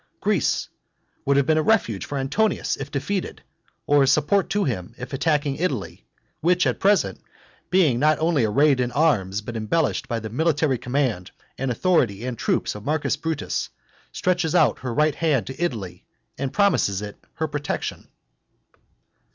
Greece would have been a refuge for Antonius if defeated, or a support to him in attacking Italy, which at present, being not only arrayed in arms, but embellished by the military command and authority and troops of Marcus Brutus stretches out her right hand to Italy, and promises it her protection.